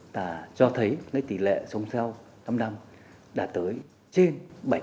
và cho thấy cái tỉ lệ sống sau năm năm đã tới trên bảy